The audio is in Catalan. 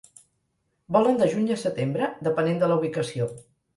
Volen de juny a setembre, depenent de la ubicació.